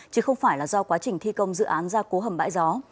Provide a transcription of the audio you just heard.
chứ không phải là do quá trình thi công dự án ra cố hầm bãi gió